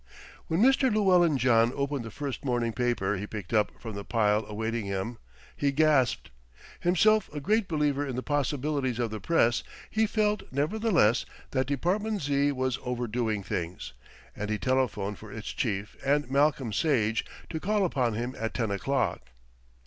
When Mr. Llewellyn John opened the first morning paper he picked up from the pile awaiting him he gasped. Himself a great believer in the possibilities of the press, he felt, nevertheless, that Department Z. was overdoing things, and he telephoned for its chief and Malcolm Sage to call upon him at ten o'clock.